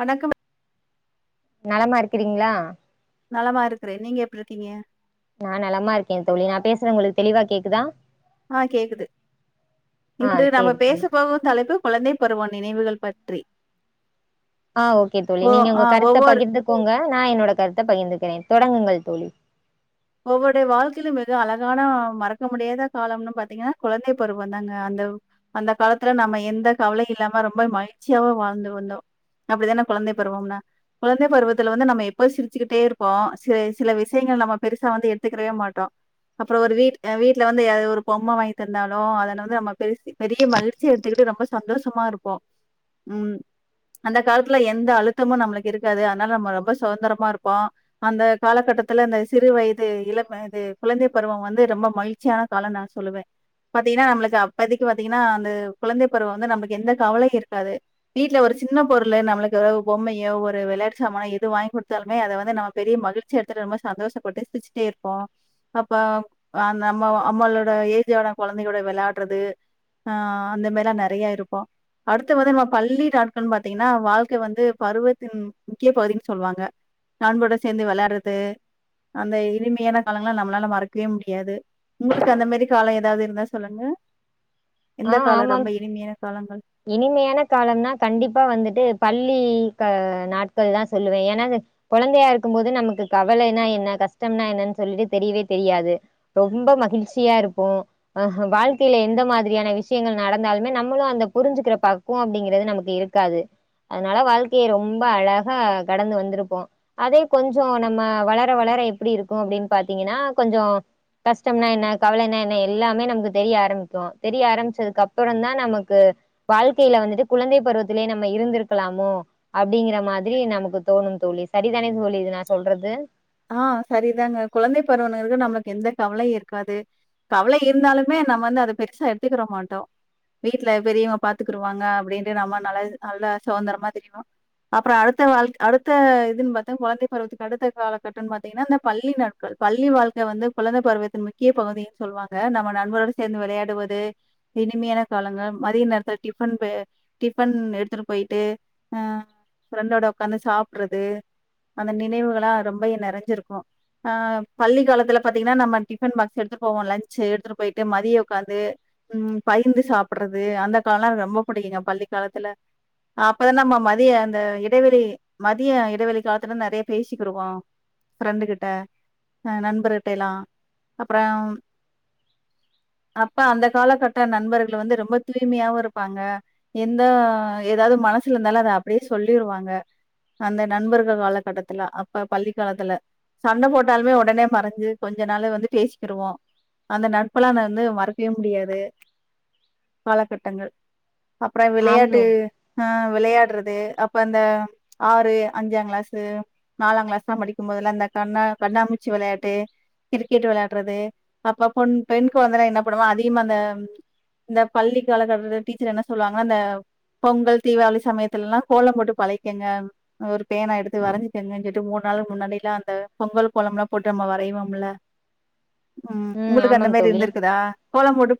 வணக்கம் நலமா இருக்றீங்ளா நலமா இருக்றே நீங்க எப்டி இருக்கீங்க நா நலமா இருக்கே தோழி நா பேசுறே உங்களுக்கு தெளிவா கேக்குதா ஆ கேக்குது ஆ இன்று நாம சேரி பேச தோழி போகு தலைப்பு குழந்தை பருவோ நினைவுகள் பற்றி ஆ ஓகே தோழி ஓ நீங்க ஆ உங்க கருத்த ஒவ்வொரு பகிர்ந்துக்கோங்க நா என்னோட கருத்த பகிர்ந்துக்றே தொடங்குங்கள் தோழி ஒவ்வொருடய வாழ்க்கையிலு மிக அழகான மறக்க முடியாத காலம்னு பாத்தீங்கனா குழந்தை பருவோ தாங்க அந்த அந்த காலத்துல நாம எந்த கவலயு இல்லாம ரொம்ப மகிழ்ச்சியாவே வாழ்ந்து வந்தோ அப்டித்தான குழந்தை பருவம்னா குழந்தை பருவத்துல வந்து நம்ம எப்ப சிரிச்சுக்கிட்டே இருப்போ சில சில விஷியங்கள் நம்ம பெருசா வந்து எடுத்துக்றவே மாட்டோ அப்றோ ஒரு வீட் ஏ வீட்ல வந்து ஒரு பொம்ம வாங்கி தந்தாலு அத வந்து நம்ம பேசி பெரிய மகிழ்ச்சியா எடுத்துக்கிட்டு ரொம்ப சந்தோஷமா இருப்போ ம் அந்த காலத்துல எந்த அழுத்தமு நம்ளுக்கு இருக்காது அதனால நம்ம ரொம்ப சுதந்தரமா இருப்போ அந்த காலகட்டத்துல அந்த சிறு வயது இளம் வயது குழந்தை பருவோ வந்து ரொம்ப மகிழ்ச்சியான காலன்னு நா சொல்லுவே பாத்தீங்கனா நம்ளுக்கு அப்பதைக்கு பாத்தீங்கனா அந்த குழந்தை பருவோ வந்து நமக்கு எந்த கவலயு இருக்காது வீட்ல ஒரு சின்ன பொருளு நம்ளுக்கு பொம்மையோ ஒரு வெளயாட்டுச் சாமானோ எது வாங்கி குடுத்தாலுமே அத வந்து நம்ம பெரிய மகிழ்ச்சியா எடுத்துட்டு ரொம்ப சந்தோஷ ஒரு டெஸ்ட்டு வச்சிட்டே இருப்போ அப்ப ஆ நம்ம நம்மளோட ஏஜ்ஜான கொழந்தையோட வெளாட்றது ஆ அந்த மாரிலா நெறையா இருப்போ அடுத்து வந்து நம்ம பள்ளி நாட்கள்னு பாத்தீங்கனா வாழ்க்கை வந்து பருவத்தின் முக்கிய பகுதின்னு சொல்வாங்க நண்பரோட சேந்து வெளாட்றது அந்த இனிமையான காலங்களா நம்ளால மறக்வே முடியாது உங்ளுக்கு அந்தமேரி காலோ எதாவது இருந்தா சொல்லுங்க எந்த ஆ காலோ ஆமாம் ரொம்ப இனிமையான காலங்கள் இனிமையான காலம்னா கண்டிப்பா வந்துட்டு பள்ளி க நாட்கள் தா சொல்லுவே ஏனா குழந்தையா இருக்கும் போது நமக்கு கவலைனா என்ன கஷ்டம்னா என்னனு சொல்லிட்டு தெரியவே தெரியாது ரொம்ப மகிழ்ச்சியா இருப்போ அ வாழ்க்கைல எந்த மாதிரியான விஷியங்கள் நடந்தாலுமே நம்மளு அந்த புரிஞ்சுக்கிற பக்குவோ அப்டிங்கிறது நமக்கு இருக்காது அதனால வாழ்க்கைய ரொம்ப அழகா கடந்து வந்துருப்போ அதே கொஞ்சோ நம்ம வளர வளர எப்டி இருக்கு அப்டின் பாத்தீங்கனா கொஞ்சோ கஷ்டம்னா என்ன கவலைனா என்ன எல்லாமே நமக்கு தெரிய ஆரம்பிக்கு தெரிய ஆரம்பிச்சதுக்கு அப்றோதா நமக்கு வாழ்க்கையில வந்துட்டு குழந்தை பருவத்திலயே நம்ம இருந்திருக்கலாமோ அப்டிங்குற மாதிரி நமக்கு தோணு தோழி சரிதானே தோழி இது நா சொல்றது ஆ சரிதாங்க குழந்தை பருவனு நம்ளுக்கு எந்த கவலையு இருக்காது கவலை இருந்தாலுமே நம்ம வந்து அத பெருசா எடுத்துக்குர மாட்டோ வீட்ல பெரியவங்க பாத்துக்குருவாங்க அப்டின்டு நம்ம நல்லா நல்லா சுதந்திரமா திரியனு அப்றோ அடுத்த வாழ்க் அடுத்த இதுன்னு பாத்தா கொழந்தை பருவத்துக்கு அடுத்த காலகட் ங்கனு பாத்தீங்கனா இந்த பள்ளி நாட்கள் பள்ளி வாழ்க்க வந்து குழந்த பருவத்தின் முக்கிய பகுதின்னு சொல்வாங்க நம்ம நண்பரோட சேர்ந்து வெளயாடுவது இனிமையான காலங்கள் மதிய நேரத்துல டிஃபன் ப டிஃபன் எடுத்துட்டுன்னுப் போய்ட்டு ஆ ஃப்ரெண்டோட உக்காந்து சாப்புட்றது அந்த நினைவுகளா ரொம்ப வயிறு நெறஞ்சிருக்கு ஆ பள்ளி காலத்துல பாத்தீங்கனா நம்ம டிஃபன் பாக்ஸ் எடுத்துட்டு போவோ லஞ்சு எடுத்துட்டு போய்ட்டு மதிய உட்காந்து ம் பகிர்ந்து சாப்பிடுறது அந்த காலம்லா எனக்கு ரொம்ப புடிக்குங்க பள்ளி காலத்துல அப்பதா நம்ம மதிய அந்த இடைவெளி மதிய இடைவெளி காலத்துலா நெறைய பேசிக்கிருவோ ஃப்ரெண்டுக்கிட்ட ஆ நண்பர்கிட்டைலா அப்றோ அப்ப அந்த காலக்கட்ட நண்பர்கள் வந்து ரொம்ப தூய்மையாவு இருப்பாங்க எந்த எதாவது மனசுல இருந்தாலு அத அப்டியே சொல்லிருவாங்க அந்த நண்பர்கள் காலக்கட்டத்துல அப்ப பள்ளிக்காலத்துல சண்ட போட்டாலுமே உடனே மறஞ்சு கொஞ்ச நாளே வந்து பேசிக்கிருவோ அந்த நட்பலா வந்து மறக்கவே முடியாது காலகட்டங்கள் அப்றோ விளையாட்டு ஆமா அ விளையாடுறது அப்ப அந்த ஆறு அஞ்சாங் கிளாஸு நாலாங் கிளாஸு நா படிக்கும்போதுலா இந்த கண்ணா கண்ணாமூச்சி வெளயாட்டு கிரிக்கெட் வெளயாடுறது அப்பப்பொன் பெண் கொழந்தன்னா என்ன பண்ணுவோ அதிகமா இந்த பள்ளி காலகட்டதுல டீச்சர் என்ன சொல்லுவாங்கனா இந்த பொங்கல் தீவாளி சமயத்துலலா கோலம் போட்டு பழக்கிகங்க ஒரு பேனா எடுத்து வரஞ்சிக்கங்கன் சொல்லிட் மூன் நாலா முன்னாடிலா அந்த பொங்கல் கோலம்லா போட்டு நம்ம வரைவோம்ல உம் ம் உங்களுக்கு அந்த ஆமாம் மாரி தோழி இருந்துருக்குதா கோலம் போட்டு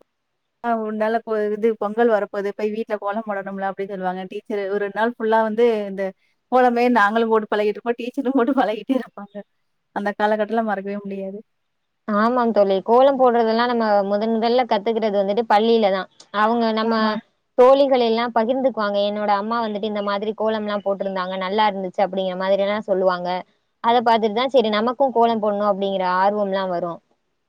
ஆஹ் ஒரு நாள்ள இது பொங்கல் வரப்போது போய் வீட்ல கோலம் போடணும்ல அப்டினு சொல்லுவாங்க டீச்சரு ஒரு ரெண்டு நாள் ஃபுல்லா வந்து இந்த கோலமே நாங்களு போட்டு பழகிட்ருப்போ டீச்சரு போட்டு பழகிட்டே இருப்பாங்க அந்த காலகட்டல மறக்கவே முடியாது ஆமாங்க் தோழி கோலோ போட்றதெல்லா நம்ம முதன் முதல கத்துக்குட்டது வந்துட்டு பள்ளில தா அவங்க நம்ம ஆமா, தோழி வேலைல்லா பகிர்ந்துக்வாங்க என்னோட அம்மா வந்துட்டு இந்த மாதிரி கோலம்லா போட்ருந்தாங்க நல்லா இருந்துச்சு அப்டிங்குற மாதிரிலா சொல்லுவாங்க அத பாத்துட்டுதா செரி நமக்கூ கோலோ போடுனு அப்டிங்குற ஆர்வம்லா வரு தோ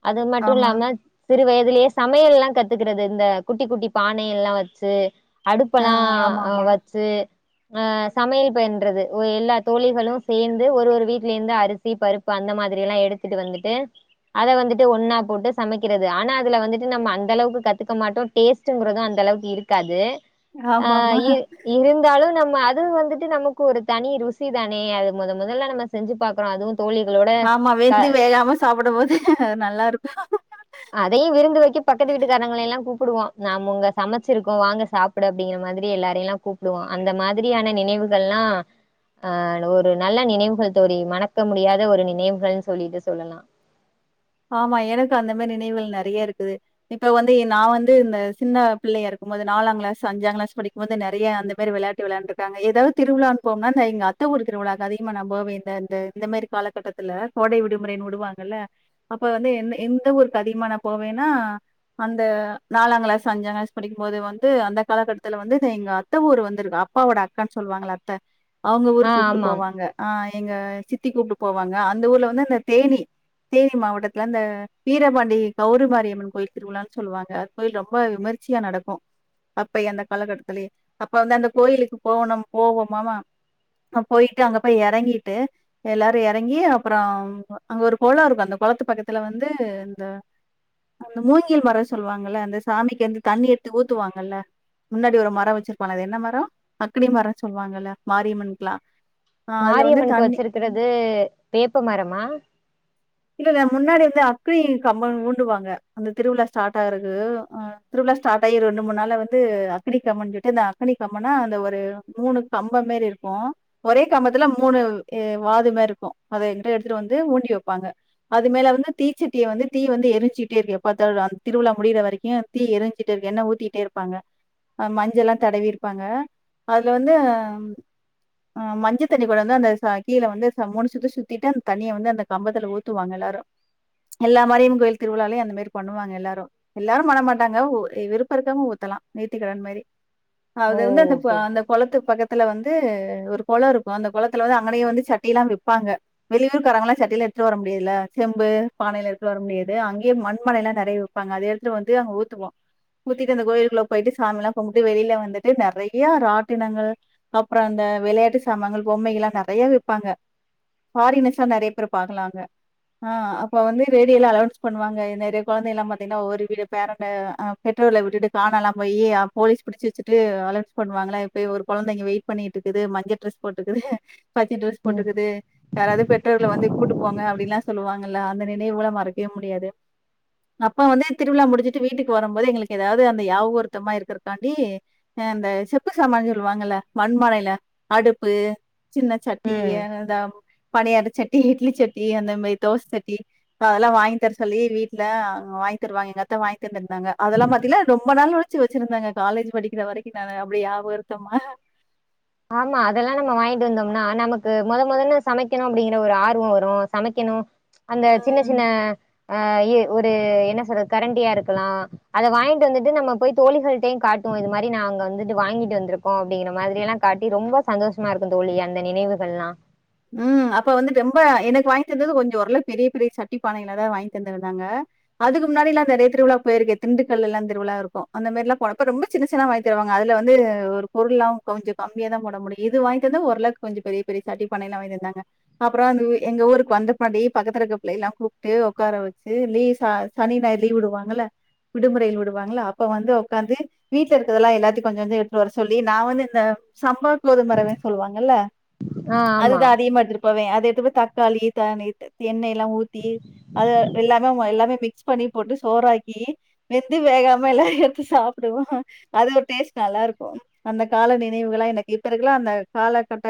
அது ஆமா. மட்டுல்லாம சிறு வயதுலயே சமையல்லா கத்துக்குறது இந்த குட்டி குட்டி பானையெல்லா வச்சி ஆ அடுப்பலா ஆ ஆமாமா. வச்சு ஆ சமையல் பெண்றது ஒ எல்லா தோழிகளு சேந்து ஒரு ஒரு வீட்லேந்து அரிசி பருப்பு அந்த மாதிரில்லா எடுத்துட்டு வந்துட்டு அத வந்துட்டு ஒன்னா போட்டு சமக்கிறது ஆனா அதுல வந்துட்டு நம்ம அந்த அளவுக்கு கத்துக்க மாட்டோ டேஸ்டுங்குறது அந்த அளவுக்கு இருக்காது ஆ ஆமாமா. இர் இருந்தாலு நம் மா அதுவு வந்துட்டு நமக்கு ஒரு தனி ருசி தானே அது மொதொ மொதல்ல நம்ம செஞ்சு பாக்குறோ அதுவு தோழிகளோட ஆமா வெந்து வேகாம சாப்புடம் போது அதையு விருந்து வெக்க பக்கத்து வீட்டுக்காரங்களயெல்லா கூப் புடுவோ நாம் உங்க சமச்சிருக்கோ வாங்க சாப்புட அப்டிங்கிற மாதிரி எல்லாரயெல்லா கூப்டுவோ அந்த மாதிரியான நினைவுகள்லா ஆ ஒரு நல்ல நினைவுகள் தோழி மணக்க முடியாத ஒரு நினைவுகள் சொல்லிட்டு சொல்லலா ஆமா எனக்கு அந்த மாரி நினைவுகள் நெறைய இருக்குது இப்ப வந்து எ நா வந்து இந்த சின்ன பிள்ளையா இருக்கம் போது நாலாங் க்ளாஸு அஞ்சாங் கிளாஸ் படிக்கும் போது நெறைய அந்த மாரி வெளாட்டு வெளாண்ட்ருக்காங்க ஏதாவ்து திருவிழான் போம்னா அந்த எங்க அத்த ஊரு திருவிழாக்கு அதிகமா நா போவே இந்த இந்த இந்த மாரி காலக்கட்டத்துல கோடை விடுமுறைன்னு உடுவாங்கல்ல அப்ப வந்து என்ன எந்த ஊருக்கு அதிகமா நா போவேனா அந்த நாலாங் க்ளாஸு அஞ்சாங் க்ளாஸ் படிக்கும் போது வந்து அந்த காலக்கட்டத்துல வந்து து எங்க அத்த ஊரு வந்துருக்க அப்பாவோட அக்கான் சொல்வாங்கல்ல அத்த அவுங்க ஆ ஊர் கூப்ட்டு ஆமாம். போவாங்க ஆ எங்க சித்தி கூப்ட்டு போவாங்க அந்த ஊர்ல வந்து அந்த தேனி தேனி மாவட் டத்துல அந்த வீரபாண்டி கௌரவ்மாரியம்மன் கோயில் திருவிழான் சொல்லுவாங்க அந்த கோயில் ரொம்ப விமர்ச்சியா நடக்கு அப்பயே அந்த காலக்கட்டத்துலயே அப்ப வந்து அந்த கோயிலுக்கு போவனம் போவோமாமா அ போயிட்டு அங்க போய் எறங்கிட்டு எல்லாரு எறங்கி அப்பறோம் அங்க ஒரு கொளோ இருக்கு அந்த கொளத்து பக்கத்துல வந்து இந்த அந்த மூங்கில் மரோ சொல்வாங்கல்ல அந்த சாமிக்கி வந்து தண்ணி எட்த்து ஊத்துவாங்கல்ல முன்னாடி ஒரு மரோ வச்சிருப்பாங்க அது என்ன மரோ அக்கினி மரோ சொல்வாங்கல்ல மாரியம்மன்க்குலா மாரியம்மனுக்கு வச்சிருக்குறது வேப்ப மரமா இல்லல்ல முன்னாடி வந்து அக்னி கம்போன் ஊண்டுவாங்க அந்த திருவிழா ஸ்டார்ட் ஆகுறக்கு ஆ திருவிழா ஸ்டார்ட் ஆயி ரெண்டு மூண் நாள்ல வந்து அக்னி கம்பொன் சொல்ட்டு இந்த அக்னி கம்பொனா அந்த ஒரு மூணு கம்பம் மேரி இருக்கு ஒரே கம்பத்துல மூணு எ வாது மாரி இருக்கு அத இங்குட்டா எடுத்துட்டு வந்து ஊண்டி வெப்பாங்க அது மேல வந்து தீச்சட்டிய வந்து தீ வந்து எரிஞ்ச்சிட்டே இருக்கு எப்பாத்தாலு அந் திருவிழா முடியிற வரைக்கு தீ எரிஞ்சிட்டே இருக்கு எண்ணெ ஊத்தியிட்டே இருப்பாங்க அ மஞ்செல்லா தடவி இருப்பாங்க அதுல வந்து ஆ அ மஞ்சத் தண்ணி கொண்டாந்து அந்த ச கீழ வந்து ச மூணு சுத்து சுத்திட்டு அந்த தண்ணிய வந்து அந்த கம்பத்துல ஊத் துவாங்க எல்லாரு எல்லா மாரியம்மன் கோயில் திருவிழாலையு அந்த மேரி பண்ணுவாங்க எல்லாரு எல்லாரும் பண்ண மாட்டாங்க ஒ எ விருப்ப இருக்கவங்க ஊத்தலா நேத்திக்கடன் மாரி ஓ! அது வந்து அந்த ப ஓகே, ஓகே. அந்த கொளத்துக் பக்கத்துல வந் து ஒரு கொளோ இருக்கு அந்த கொளத்துல வந்து அங்கனையே வந்து சட்டில்லா விப்பாங்க வெளியூர் காரங்களா சட்டில்லா எடுத்துட்டு வர மு டியால செம்பு பானைலா எடுத்துட்டு வர முடியாது அங்கேயே மண்பானைலா நெறைய விப்பாங்க அத எடுத்துட்டு வந்து அங்க ஊத்துவோ ஊத்திட்டு அந்த கோயிலுக்குள்ள போயிட்டு சாமிலா கும்ட்டு வெளில வந்துட்டு நெறைய ராட்டினங்கள் அப்றோ அந்த வெளையாட்டு சாமாங்கள் பொம்மைகள்லா நெறைய விப்பாங்க ஃபாரினர்ஸ்லா நெறைய பேர பாக்கலா அங்க ஆ அப்ப வந்து ரேடியோல அலௌன்ஸ் பண்ணுவாங்க இது நெறைய கொழந்தையெல்லா பாத்தீங்னா ஒரு வித பேரெண்ட்ட ஆ பெற்றோர்கள விட்டுட்டு காணாலா போயி போலீஸ் புடிச்சி வெச்சிட்டு அலௌன்ஸ் பண்ணுவாங்கள இப்டி ஒரு கொழந்த இங்க வெயிட் பண்ணிட்ருக்குது மஞ்ச ட்ரஸ் போட்ருக்குது பச்ச ட்ரஸ் போட்டுக்குது யாராது பெற்றோர்கள வந்து கூட்டுப் போங்க அ அப்டிலா சொல்லுவாங்களா அந்த நினைவுகள மறக்கவே முடியாது அப்பா வந்து திருவிழா முடிச்சிட்டு வீட்டுக்கு வரம்போது எங்களுக்கு ஏதாவ்து அந்த யாவொர்த்தமா இருக்கரக்காண்டி ஆ அந்த செப்பு சாமானு சொல்லுவாங்கல்ல மண்பானைல அடுப்பு சின்ன சட்டி ம். ஏனொ இந்த பணியார சட்டி இட்லி சட் டி அந்த மாரி தோச சட்டி அதெல்லா வாங்கி தர சொல்லி வீட்ல ஆ வாங்கி தருவாங்க எங்க அத்த வாங்கி தந்த்ருந்தாங்க அதெல்லா பாத்தீள ரொம்ப நாள் ஒழிச்சி வெச்சிருந்தாங்க காலேஜ் படிக்கிற வரைக்கு நானு அப்டி யாபகர்த்தமா ஆமா அதெல்லா நம்ம வாங்கிட்டு வந்தோம்னா நமக்கு மொத மொதல்ல சமைக்கெணு அப்டிங்கிற ஒரு ஆர்வோ வரு சமைக்கெணு அந்த ம் சின்னச் சின்ன ஆ எ ஒரு என்ன சொல்றது கரண்டியா இருக்கலா அத வாங்கிட்டு வந்துட்டு நம்ம போய் தோழிகள்டயு காட்டுவோ இது மாரி நா அங்க வந்துட்டு வாங்கிட்டு வந்திருக்கோ அப்டிங்கிற மாதிரி எல்லா காட்டி ரொம்ப சந்தோஷமா இருக்குந் தோழி அந்த நினைவுகள்லா உம் அப்ப வந்து ரெம்ப எனக்கு வாங்கி தந்தது கொஞ்சோ ஒரளவுக்கு பெரிய பெரிய சட்டி பானைக நறையா வாங்கி தந்தந்துருந்தாங்க அதுக்கு முன்னாடிலா நெறையா திருவிழாக்கு போயிருக்கே திண்டுக்கல்லிலா திருவிழா இருக்கோ அந்த மாரிலா போனப்ப ரொம்ப சின்ன சின்னத வாங்கி தருவாங்க அதுல வந்து ஒரு பொருள்லா கொஞ்சோ கம்மிய தா போட முடியு இது வாங்கி தந்த ஓரளவுக்கு கொஞ்சோ பெரிய பெரிய சட்டி பானை எல்லா வாங்கி தந்தாங்க அப்பறோ அன் உ எங்க ஊர்க்கு வந்த பின்னாடி பக்கத்துல இருக்க பிள்ளைலா கூப்ட்டு உக்கார வெச்சு லீஸ் ச சனி ஞாயிறு லீவ் விடுவாங்கல்ல விடுமுறையில் விடுவாங்கல்ல அப்ப வந்து உக்காந்து வீட்டுல இருக்கதெல்லா எல்லாத்தையு கொஞ்ச கொஞ்ச எடுத்துட்டு வர சொல்லி நா வந்து இந்த சம்பா கோதும ரவேனு சொல்லுவாங்கல்ல ஆ ஆமா அதுதா அதிகமா எடுத்துட்டு போவே இத எத்து போய் தக்காளி த நி எண்ணெ எல்லா ஊத்தி அது எல்லாமே ம எல்லாமே மி க்ஸ் பண்ணி போட்டு சோறாக்கீ வெந்து வேகாம எல்லா எடுத்து சாப்புடுவோ அது ஒரு டேஸ்ட் நல்லா இருக்கோ அந்த கால நினைவுகளா எனக்கு இப்ப இருக்கல்லா அந்த காலக்கட்ட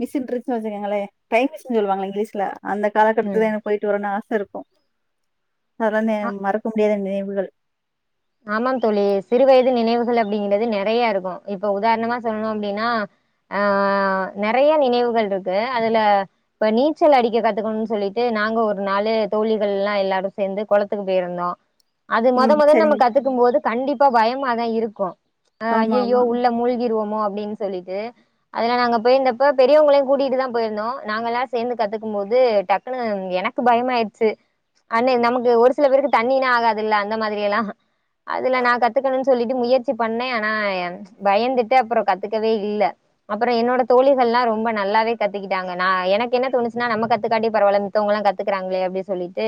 மிஷின்ட்ர்ச்ச வச்சுக்கங்களே டைம் மெஷின்னு சொல்லுவாங்கள இங்கிலீஷ்ல அந்த காலக்கட்டத்துல ம் எனக் போயிட்டு வரணுனு ஆ இருக்கோ ஆ [unintelligible] மறக்க முடியாத நினை [unintelligible] ஆமாம் தோழி சிறு வயது நினைவுகள் அப்படிங்கறதுநே நெறையா இருக்கு இப்ப உதாரணமா சொல்னு அப்டின்னா ஆஹ் நெறையா நினைவுகள்ருக்கு அதுல இப்ப நீச்சல் அடிக்க கத்துக்கனுன் சொல்லிட்டு நாங்க ஒரு நாளு தோழிகள்லா எல்லாரு சேந்து கொளத்துக்கு போயிருந்தோ அது மொத ம் மொத நமக் சரிங்க. கத்துக்கும் போது கண்டிப் இப்ப பயமாதா இருக்கு அ, ஆமா அய்யயோ ஆமா. உள்ள மூழ்கிருவோமோ ப்டின் சொல்லிட்டு அதுல நாங்க போயிருந்தப்ப பெரியவங்களயு கூட்டிட்டு தா போயிருந்தோ நாங்க எல்லா சேந்து கத்துக்கும்போது டக்குன்னு எனக்கு பயமாயிட்ச்சு அண்ணே நமக்கு ஒரு சில பேருக்கு தண்ணினா ஆகாதுல்ல அந்த மாதிரி எல்லா அதுல நான் கத்துக்கணும்னு சொல்லிட்டு முயற்சி பண்ணேன் ஆனா ச்சு பயந்துட்டு அப்புறோ கத்துக்கவே இல்ல அப்புறோ என்னோட தோழிகள்லா ரொம்ப நல்லாவே கத்துக்கிட்டாங்க நான் எனக்கு என்ன தோணுச்சுன்னா நம்ம கத்துக்காட்டி பரவாயில்ல மித்தவங்க எல்லா கத்துக்கறாங்களே அப்படின்னு சொல்லிட்டு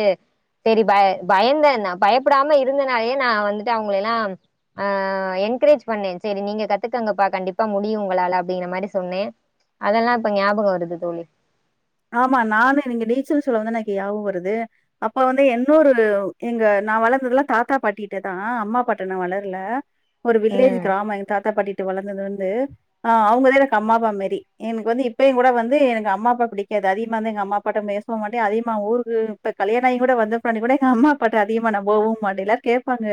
செரி ப பயந்த நா பயப்படாம இருந்தனாலே நா வந்துட்டு அவங்களெல்லாம் ஆஹ் என்கரேஜ் பண்ணே செரி நீங்க கத்துக்கங்கப்பா கண்டிப்பா முடியு உங்களால அப்டிங்கற மாரி சொன்னே அதெல்லா இப்ப ஞாபகோ வருது தோழி ஆமா நானு நீங்க நீச்சல் சொல்லவுந்தா எனக்கு ஞாவோ வருது அப்ப வந்து என்னொரு எங்க நா வளந்ததுலா தாத்தா பாட்டிட்டதா அம்மா அப்பாட்ட நா வளர்ல ஒரு வில்லேஜ் ம் கிராமோ எங் தாத்தா பாட்டிட்ட வளந்தது வந்து ஆஹ் அவங்கதா எனக்கு அம்மா அப்பா மாரி எனக் வந்து இப்பயுங்கூட வந்து எனக்கு அம்மா அப்பா பிடி கே அது அதிகமார்ந்தா எங்கம்மா அப்பாட்ட பேசவு மாட்டே அதிகமா ஊருக்கு இப்ப கல்யாணாயிங்கூட வந்தப்பின்னாடி கூட எங்கம்மா அப்பாட்ட அதிகமா நா போவு மாட்டே எல்லார் கேப்பாங்க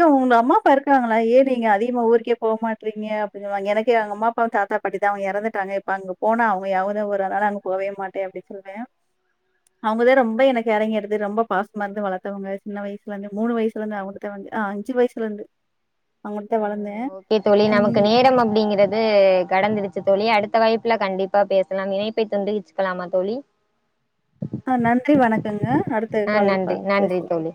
ஏ உங்கம்மா அப்பா இருக்கறாங்களா ஏ நீங்க அதிகமா ஊருக்கே போமாட்றீங்க அப்படின்னுவாங்க எனக்கு எங்கம்மா அப்பாவு தாத்தா பாட்டி தா அவங்க எறந்துட்டாங்க இப்ப அங்க போனா அவங்க ஞாவகந்தா வரு அதுனால அங் போவே மாட்டே அப்டின் சொல்வே அவங்கதா ரொம்ப எனக்கு எறங்கி எடுத்து ரொம்ப பாசமா இருந்து வளத்தவங்க சின்ன வயசுலருந்து மூணு வயசுலருந்து அவுங்கிட்ட தா [unintelligible] அ, அஞ்சு வயசுலருந்து அவுங்கிட்தா வளந்தே ம் ஓகே தோழி நமக்கு நேரம் அப்படிங்கறது கடந்துருச்சு தோழி அடுத் ப்ப வாய்ப்புல கண்டிப்பா பேசலாம் இணைப்பை துண்டுகிச்சுக்கலாமா தோழி ஆ நன்றி வணக்கங்க அடுத்த ஆ கால் ல நன்றி நன்றி பேசலாம் தோழி